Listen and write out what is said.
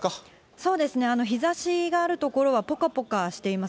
そうですね、日ざしがある所はぽかぽかしています。